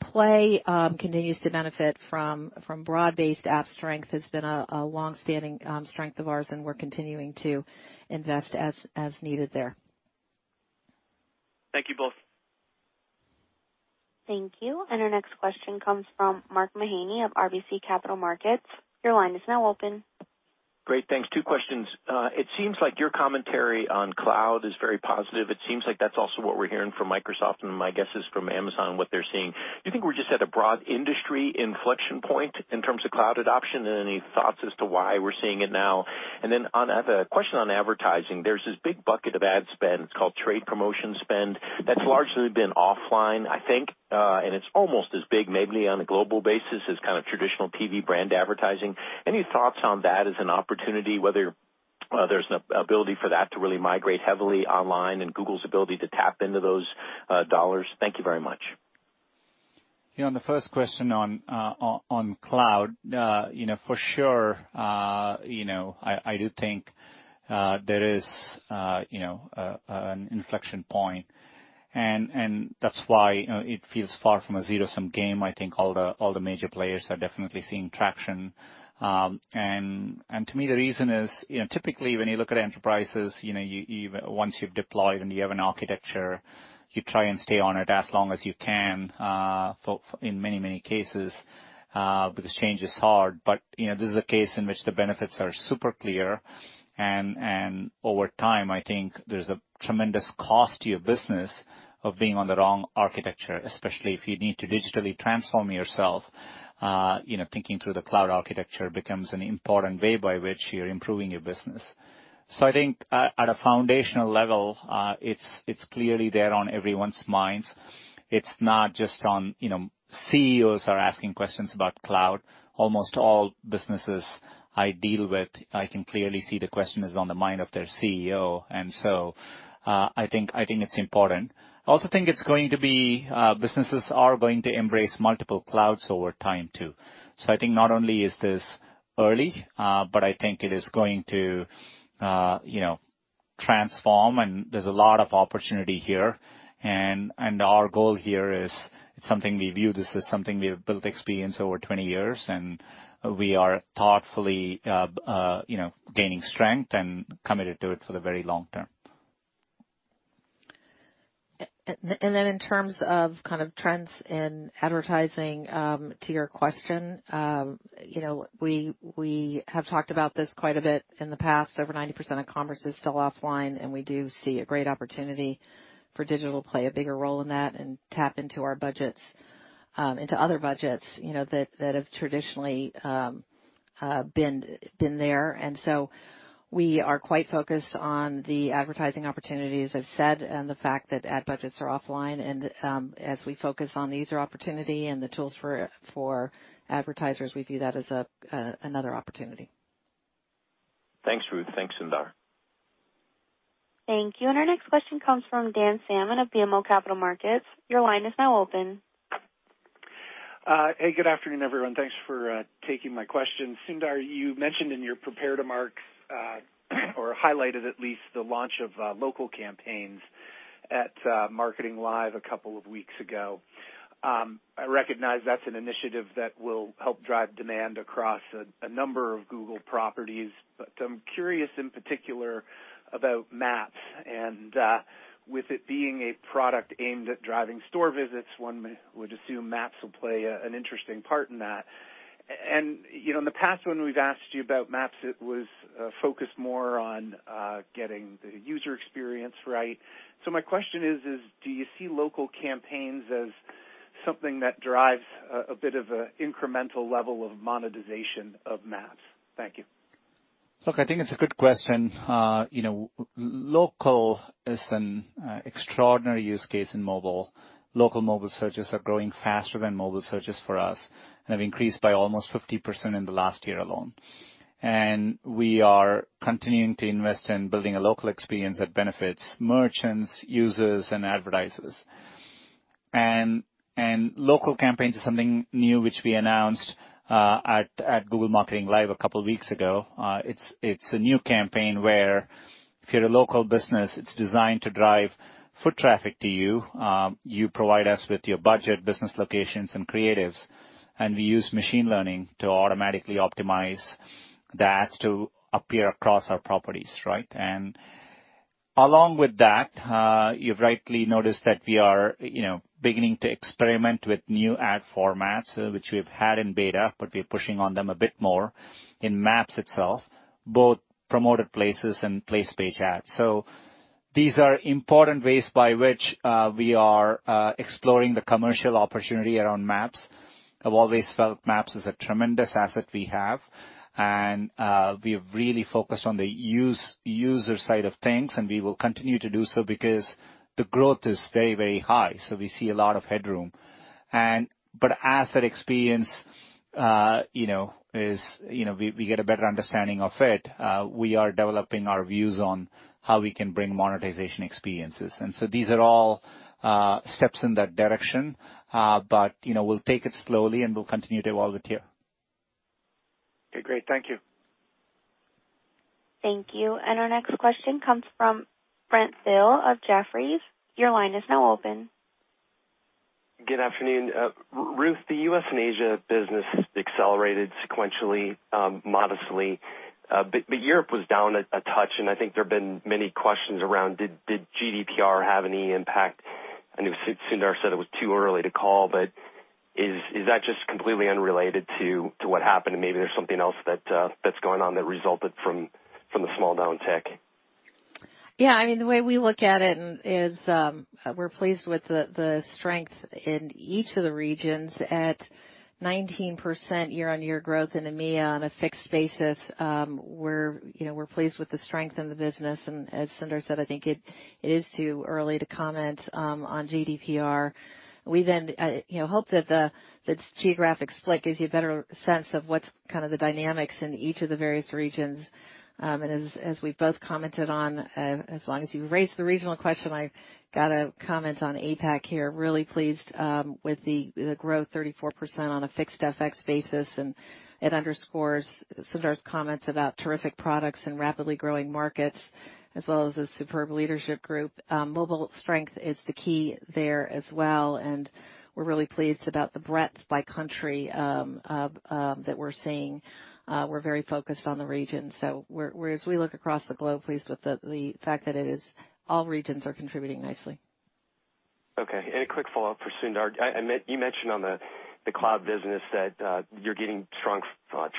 S3: Play continues to benefit from broad-based app strength. It has been a long-standing strength of ours, and we're continuing to invest as needed there.
S9: Thank you both.
S1: Thank you, and our next question comes from Mark Mahaney of RBC Capital Markets. Your line is now open.
S10: Great. Thanks. Two questions. It seems like your commentary on cloud is very positive. It seems like that's also what we're hearing from Microsoft, and my guess is from Amazon what they're seeing. Do you think we're just at a broad industry inflection point in terms of cloud adoption? And any thoughts as to why we're seeing it now? And then I have a question on advertising. There's this big bucket of ad spend. It's called trade promotion spend. That's largely been offline, I think, and it's almost as big, mainly on a global basis, as kind of traditional TV brand advertising. Any thoughts on that as an opportunity, whether there's an ability for that to really migrate heavily online and Google's ability to tap into those dollars? Thank you very much.
S4: On the first question on cloud, for sure, I do think there is an inflection point. And that's why it feels far from a zero-sum game. I think all the major players are definitely seeing traction. And to me, the reason is typically when you look at enterprises, once you've deployed and you have an architecture, you try and stay on it as long as you can in many, many cases because change is hard. But this is a case in which the benefits are super clear. And over time, I think there's a tremendous cost to your business of being on the wrong architecture, especially if you need to digitally transform yourself. Thinking through the cloud architecture becomes an important way by which you're improving your business. So I think at a foundational level, it's clearly there on everyone's minds. It's not just CEOs who are asking questions about cloud. Almost all businesses I deal with, I can clearly see the question is on the mind of their CEO. And so I think it's important. I also think it's going to be businesses are going to embrace multiple clouds over time too. So I think not only is this early, but I think it is going to transform. And there's a lot of opportunity here. And our goal here is it's something we view this as we have built experience over 20 years and we are thoughtfully gaining strength and committed to it for the very long term.
S3: And then in terms of kind of trends in advertising, to your question, we have talked about this quite a bit in the past. Over 90% of commerce is still offline, and we do see a great opportunity for digital to play a bigger role in that and tap into our budgets, into other budgets that have traditionally been there. We are quite focused on the advertising opportunities, as I've said, and the fact that ad budgets are offline. And as we focus on the user opportunity and the tools for advertisers, we view that as another opportunity.
S10: Thanks, Ruth. Thanks, Sundar.
S1: Thank you. And our next question comes from Dan Salmon of BMO Capital Markets. Your line is now open.
S11: Hey, good afternoon, everyone. Thanks for taking my question. Sundar, you mentioned in your prepared remarks or highlighted at least the launch of local campaigns at Marketing Live a couple of weeks ago. I recognize that's an initiative that will help drive demand across a number of Google properties. But I'm curious in particular about Maps. And with it being a product aimed at driving store visits, one would assume Maps will play an interesting part in that. In the past, when we've asked you about Maps, it was focused more on getting the user experience right. So my question is, do you see Local campaigns as something that drives a bit of an incremental level of monetization of Maps? Thank you.
S4: Look, I think it's a good question. Local is an extraordinary use case in mobile. Local mobile searches are growing faster than mobile searches for us and have increased by almost 50% in the last year alone. We are continuing to invest in building a local experience that benefits merchants, users, and advertisers. Local campaigns is something new which we announced at Google Marketing Live a couple of weeks ago. It's a new campaign where if you're a local business, it's designed to drive foot traffic to you. You provide us with your budget, business locations, and creatives, and we use machine learning to automatically optimize the ads to appear across our properties, and along with that, you've rightly noticed that we are beginning to experiment with new ad formats, which we've had in beta, but we're pushing on them a bit more in Maps itself, both promoted places and place page ads, so these are important ways by which we are exploring the commercial opportunity around Maps. I've always felt Maps is a tremendous asset we have, and we have really focused on the user side of things, and we will continue to do so because the growth is very, very high, so we see a lot of headroom, but as that experience is we get a better understanding of it, we are developing our views on how we can bring monetization experiences. And so these are all steps in that direction. But we'll take it slowly, and we'll continue to evolve it here.
S11: Okay. Great. Thank you.
S1: Thank you. And our next question comes from Brent Thill of Jefferies. Your line is now open.
S12: Good afternoon. Ruth. The U.S. and Asia business accelerated sequentially, modestly, but Europe was down a touch. And I think there have been many questions around, did GDPR have any impact? I know Sundar said it was too early to call, but is that just completely unrelated to what happened? And maybe there's something else that's going on that resulted from the small-down tick.
S3: Yeah. I mean, the way we look at it is we're pleased with the strength in each of the regions at 19% year-on-year growth in EMEA on a fixed basis. We're pleased with the strength in the business. As Sundar said, I think it is too early to comment on GDPR. We then hope that the geographic split gives you a better sense of what's kind of the dynamics in each of the various regions. As we've both commented on, as long as you raise the regional question, I've got a comment on APAC here. Really pleased with the growth, 34% on a fixed FX basis. It underscores Sundar's comments about terrific products and rapidly growing markets, as well as the superb leadership group. Mobile strength is the key there as well. We're really pleased about the breadth by country that we're seeing. We're very focused on the region. As we look across the globe, pleased with the fact that all regions are contributing nicely.
S12: Okay. A quick follow-up for Sundar. You mentioned on the cloud business that you're getting strong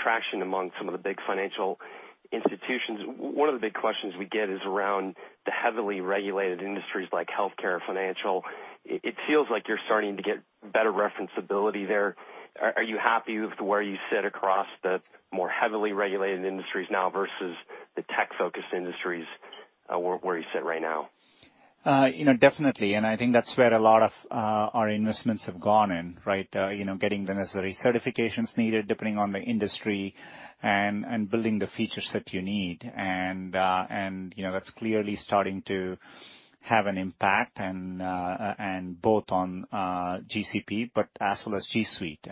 S12: traction among some of the big financial institutions. One of the big questions we get is around the heavily regulated industries like healthcare, financial. It feels like you're starting to get better reference ability there. Are you happy with where you sit across the more heavily regulated industries now versus the tech-focused industries where you sit right now?
S4: Definitely, and I think that's where a lot of our investments have gone in, getting the necessary certifications needed depending on the industry and building the feature set you need. And that's clearly starting to have an impact both on GCP but as well as G Suite.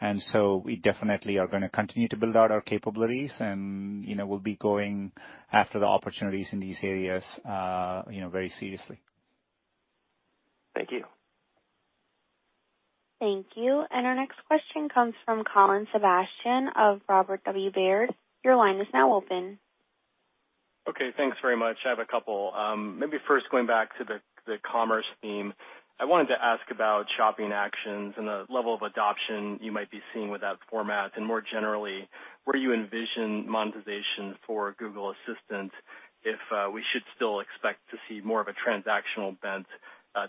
S4: And so we definitely are going to continue to build out our capabilities, and we'll be going after the opportunities in these areas very seriously.
S12: Thank you.
S1: Thank you. And our next question comes from Colin Sebastian of Robert W. Baird. Your line is now open.
S13: Okay. Thanks very much. I have a couple. Maybe first, going back to the commerce theme, I wanted to ask about Shopping Actions and the level of adoption you might be seeing with that format. And more generally, where you envision monetization for Google Assistant if we should still expect to see more of a transactional bent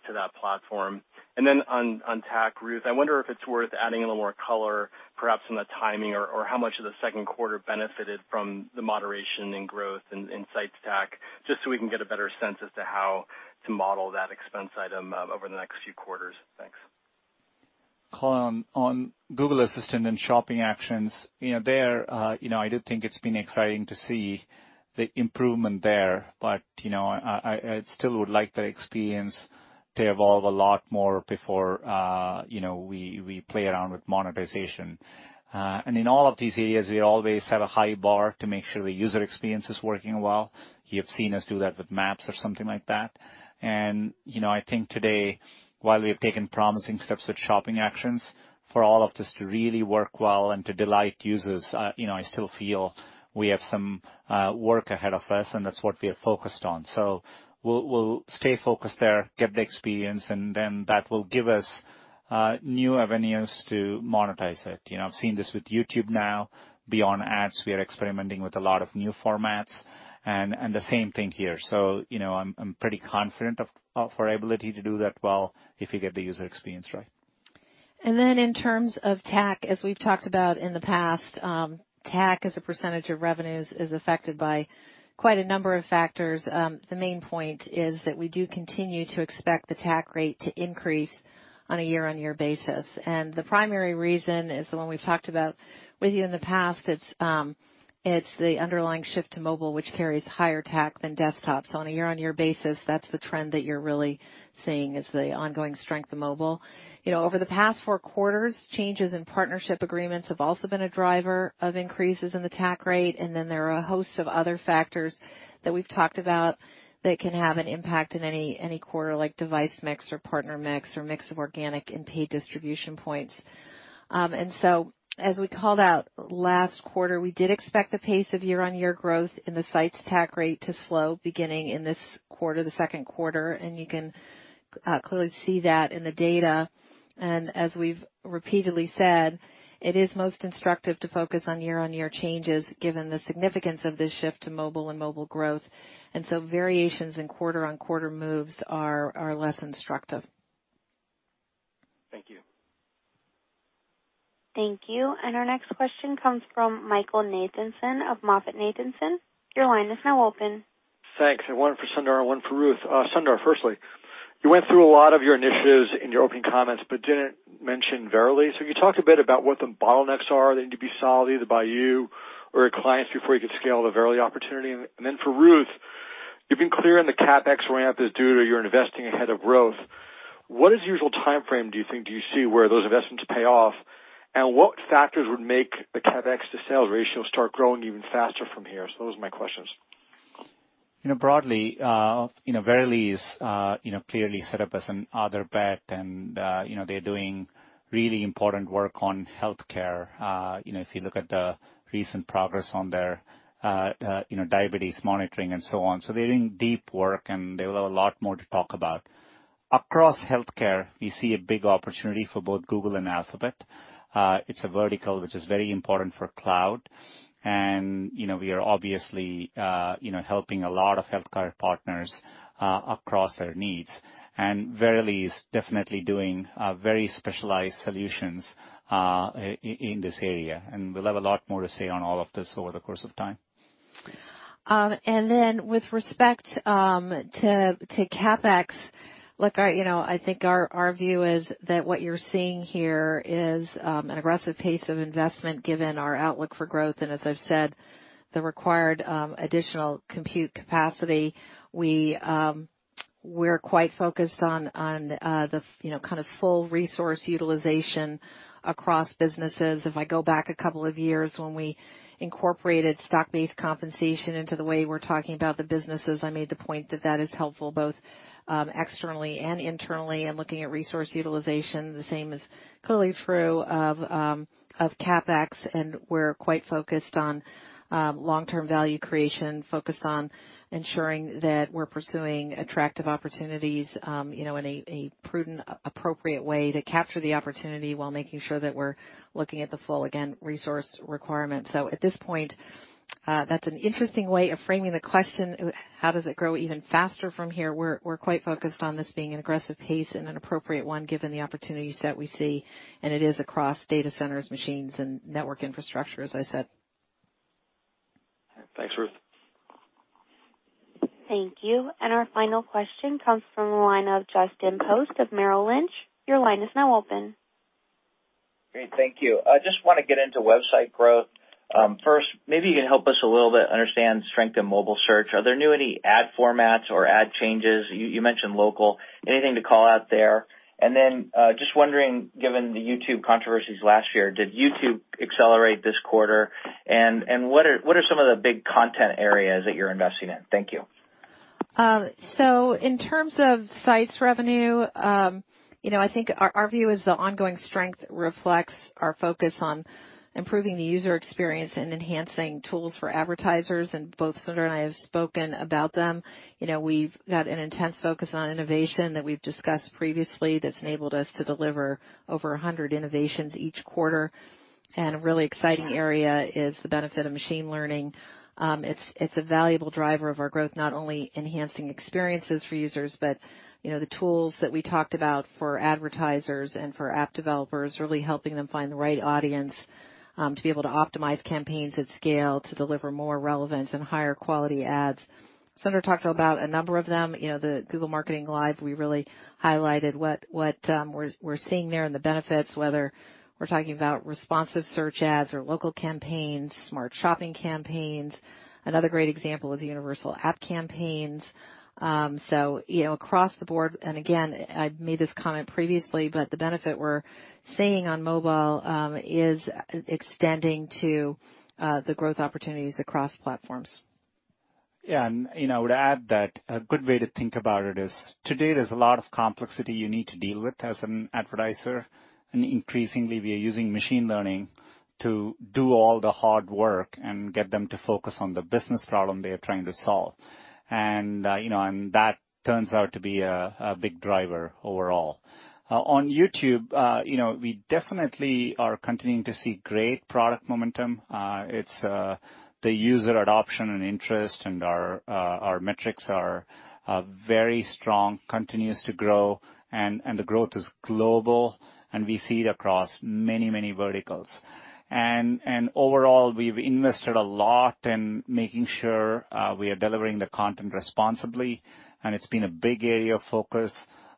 S13: to that platform. And then on tech, Ruth, I wonder if it's worth adding a little more color, perhaps in the timing or how much of the second quarter benefited from the moderation and growth in Sites TAC just so we can get a better sense as to how to model that expense item over the next few quarters. Thanks.
S4: Colin, on Google Assistant and Shopping Actions there, I do think it's been exciting to see the improvement there, but I still would like that experience to evolve a lot more before we play around with monetization, and in all of these areas, we always have a high bar to make sure the user experience is working well. You have seen us do that with Maps or something like that, and I think today, while we have taken promising steps at Shopping Actions for all of this to really work well and to delight users. I still feel we have some work ahead of us, and that's what we have focused on, so we'll stay focused there, get the experience, and then that will give us new avenues to monetize it. I've seen this with YouTube now. Beyond ads, we are experimenting with a lot of new formats, and the same thing here. So I'm pretty confident of our ability to do that well if we get the user experience right.
S3: And then in terms of TAC, as we've talked about in the past, TAC as a percentage of revenues is affected by quite a number of factors. The main point is that we do continue to expect the TAC rate to increase on a year-on-year basis. And the primary reason is the one we've talked about with you in the past. It's the underlying shift to mobile, which carries higher TAC than desktop. So on a year-on-year basis, that's the trend that you're really seeing is the ongoing strength of mobile. Over the past four quarters, changes in partnership agreements have also been a driver of increases in the TAC rate. Then there are a host of other factors that we've talked about that can have an impact in any quarter, like device mix or partner mix or mix of organic and paid distribution points. So as we called out last quarter, we did expect the pace of year-on-year growth in the TAC rate to slow beginning in this quarter, the second quarter. You can clearly see that in the data. As we've repeatedly said, it is most instructive to focus on year-on-year changes given the significance of this shift to mobile and mobile growth. So variations in quarter-on-quarter moves are less instructive.
S13: Thank you.
S1: Thank you. Our next question comes from Michael Nathanson of MoffettNathanson. Your line is now open.
S14: Thanks. One for Sundar, one for Ruth. Sundar, firstly, you went through a lot of your initiatives in your opening comments but didn't mention Verily. So you talked a bit about what the bottlenecks are that need to be solved either by you or your clients before you could scale the Verily opportunity. And then for Ruth, you've been clear that the CapEx ramp is due to your investing ahead of growth. What is the usual timeframe, do you think, do you see where those investments pay off? And what factors would make the CapEx to sales ratio start growing even faster from here? So those are my questions.
S4: Broadly, Verily is clearly set up as an Other Bet, and they're doing really important work on healthcare. If you look at the recent progress on their diabetes monitoring and so on. So they're doing deep work, and they will have a lot more to talk about. Across healthcare, we see a big opportunity for both Google and Alphabet. It's a vertical which is very important for cloud, and we are obviously helping a lot of healthcare partners across their needs, and Verily is definitely doing very specialized solutions in this area, and we'll have a lot more to say on all of this over the course of time.
S3: And then with respect to CapEx, I think our view is that what you're seeing here is an aggressive pace of investment given our outlook for growth, and as I've said, the required additional compute capacity, we're quite focused on the kind of full resource utilization across businesses. If I go back a couple of years when we incorporated stock-based compensation into the way we're talking about the businesses, I made the point that that is helpful both externally and internally. And looking at resource utilization, the same is clearly true of CapEx. And we're quite focused on long-term value creation, focused on ensuring that we're pursuing attractive opportunities in a prudent, appropriate way to capture the opportunity while making sure that we're looking at the full, again, resource requirement. So at this point, that's an interesting way of framing the question, how does it grow even faster from here? We're quite focused on this being an aggressive pace and an appropriate one given the opportunities that we see. And it is across data centers, machines, and network infrastructure, as I said.
S14: Thanks, Ruth.
S1: Thank you. And our final question comes from the line of Justin Post of Merrill Lynch. Your line is now open.
S15: Great. Thank you. I just want to get into website growth. First, maybe you can help us a little bit understand strength in mobile search. Are there any new ad formats or ad changes? You mentioned local. Anything to call out there? And then just wondering, given the YouTube controversies last year, did YouTube accelerate this quarter? And what are some of the big content areas that you're investing in? Thank you.
S3: So in terms of Sites revenue, I think our view is the ongoing strength reflects our focus on improving the user experience and enhancing tools for advertisers. And both Sundar and I have spoken about them. We've got an intense focus on innovation that we've discussed previously that's enabled us to deliver over 100 innovations each quarter. And a really exciting area is the benefit of machine learning. It's a valuable driver of our growth, not only enhancing experiences for users, but the tools that we talked about for advertisers and for app developers, really helping them find the right audience to be able to optimize campaigns at scale to deliver more relevant and higher quality ads. Sundar talked about a number of them. The Google Marketing Live, we really highlighted what we're seeing there and the benefits, whether we're talking about Responsive Search Ads or local campaigns, Smart Shopping campaigns. Another great example is Universal App Campaigns. So across the board, and again, I made this comment previously, but the benefit we're seeing on mobile is extending to the growth opportunities across platforms.
S4: Yeah. And I would add that a good way to think about it is today, there's a lot of complexity you need to deal with as an advertiser. And increasingly, we are using machine learning to do all the hard work and get them to focus on the business problem they are trying to solve. And that turns out to be a big driver overall. On YouTube, we definitely are continuing to see great product momentum. It's the user adoption and interest, and our metrics are very strong, continuing to grow. And the growth is global, and we see it across many, many verticals. And overall, we've invested a lot in making sure we are delivering the content responsibly. And it's been a big area of focus.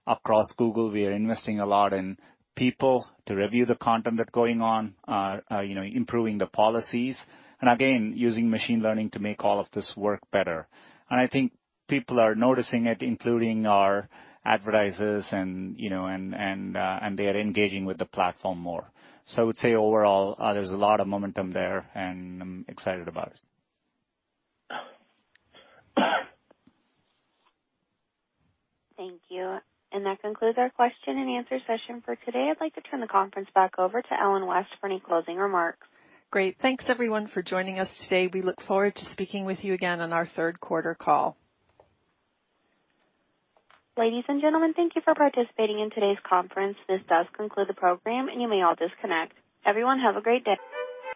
S4: Across Google, we are investing a lot in people to review the content that's going on, improving the policies. And again, using machine learning to make all of this work better. And I think people are noticing it, including our advertisers, and they are engaging with the platform more. So I would say overall, there's a lot of momentum there, and I'm excited about it.
S1: Thank you. And that concludes our question and answer session for today. I'd like to turn the conference back over to Ellen West for any closing remarks.
S2: Great. Thanks, everyone, for joining us today. We look forward to speaking with you again on our third quarter call.
S1: Ladies and gentlemen, thank you for participating in today's conference. This does conclude the program, and you may all disconnect. Everyone, have a great day.